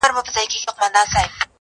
اول ئې تله، بيا ئې وايه.